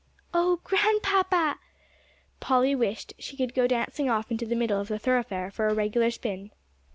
"Oh, Grandpapa!" Polly wished she could go dancing off into the middle of the thoroughfare for a regular spin.